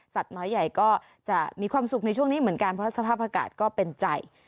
น้อยใหญ่ก็จะมีความสุขในช่วงนี้เหมือนกันเพราะสภาพอากาศก็เป็นใจ